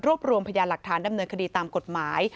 รวมรวมพยานหลักฐานดำเนินคดีตามกฎหมาย